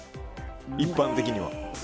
一般的には。